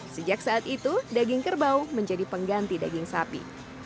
sejak saat itu daging kerbau menjadi pengganti daging sapi